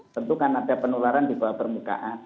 tentu kan ada penularan di bawah permukaan